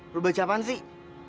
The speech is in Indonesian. lu baca apaan sih